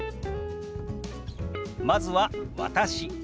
まずは「私」。